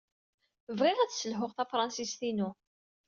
Bɣiɣ ad sselhuɣ tafṛensist-inu.